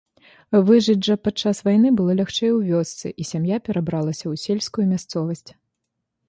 Выжыць жа падчас вайны было лягчэй у вёсцы, і сям'я перабралася ў сельскую мясцовасць.